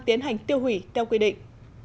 tiến hành tiêu hủy theo quy định